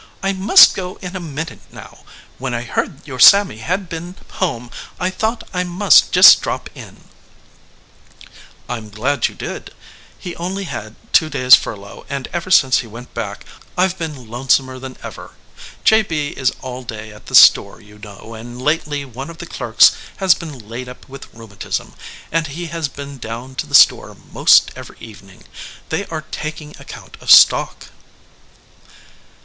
I must go in a minute now. When I heard your Sammy had been home I thought I must just drop in." "I m glad you did. He only had two days fur lough, and ever since he went back I ve been lone somer than ever. J. B. is all day at the store, you know, and lately one of the clerks has been laid up with rheumatism, and he has been down to the store most every evening. They are taking ac count of stock."